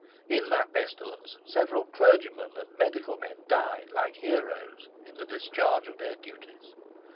In that pestilence several clergymen and medical men died, like heroes, in the discharge of their duties.